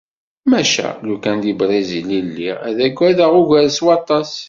Maca lukan deg Brizil i lliɣ, ad agadeɣ ugar s waṭas.